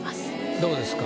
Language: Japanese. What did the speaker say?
どうですか？